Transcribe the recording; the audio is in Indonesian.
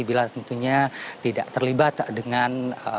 bila tentunya tidak terlibat dengan